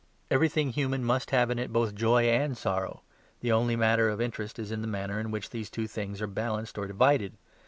Everything human must have in it both joy and sorrow; the only matter of interest is the manner in which the two things are balanced or divided.